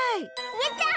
やった！